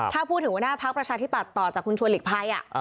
ถ้าพูดถึงหัวหน้าพักประชาธิบัตย์ต่อจากคุณชวนหลีกภัย